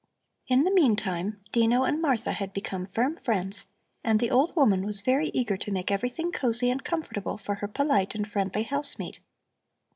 In the meantime Dino and Martha had become firm friends, and the old woman was very eager to make everything cosy and comfortable for her polite and friendly housemate.